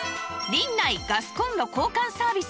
リンナイガスコンロ交換サービス